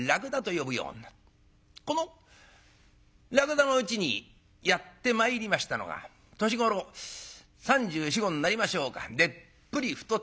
このらくだのうちにやって参りましたのが年頃３４３５になりましょうかでっぷり太った赤ら顔。